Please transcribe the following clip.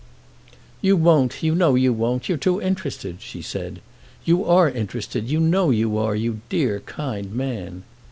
"You won't, you know you won't—you're too interested," she said. "You are interested, you know you are, you dear kind man!"